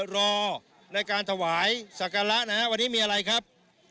รอในการถวายสักการะนะฮะวันนี้มีอะไรครับ